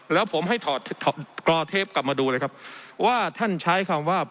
แล้วผมให้ถอดถอดกรอเทปกลับมาดูเลยครับว่าท่านใช้คำว่า